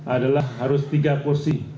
adalah harus tiga porsi